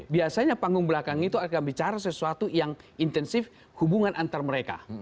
biasanya panggung belakang itu akan bicara sesuatu yang intensif hubungan antar mereka